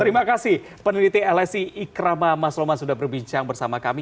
terima kasih peneliti lsi ikrama mas roma sudah berbincang bersama kami